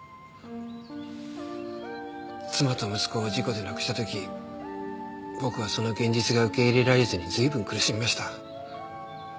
妻と息子を事故で亡くした時僕はその現実が受け入れられずに随分苦しみました。